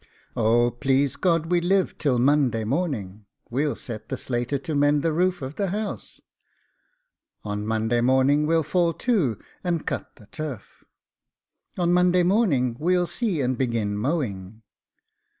'Oh, please God we live till Monday morning, we'll set the slater to mend the roof of the house. On Monday morning we'll fall to, and cut the turf. On Monday morning we'll see and begin mowing.